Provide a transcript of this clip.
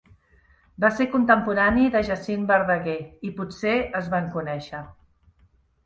Va ser contemporani de Jacint Verdaguer i potser es van conèixer.